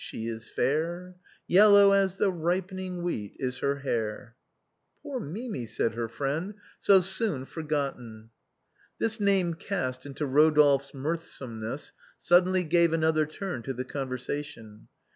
She is fair; Yellow as the ripening wheat Is her hair." " Poor Mimi," said his friend, "so soon forgotten." This name cast into Eodolphe's mirthsomeness, sud denly gave another turn to the conversation.